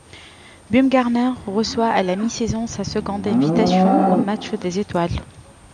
Bumgarner reçoit à la mi-saison sa seconde invitation au match des étoiles.